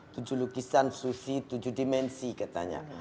tujuh lukisan susi tujuh dimensi katanya